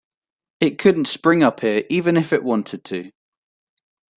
It couldn't spring up here even if it wanted to.